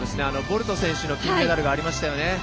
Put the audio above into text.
ボルト選手の金メダルがありましたよね。